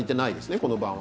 この晩はね。